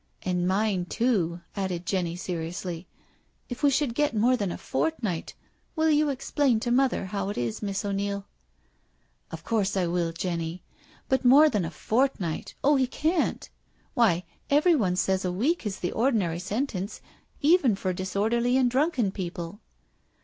" And mine too," added Jenny seriously. "If we should get more than a fortnight, will you explain to Mother how it is, Miss O'Neil?" " Of course I will, Jenny. But more than a fort night, oh, he can't I Why, every one says a week is the ordinary sentence even for disorderly and drunken people."